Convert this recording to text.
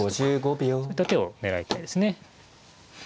そういった手を狙いたいですね。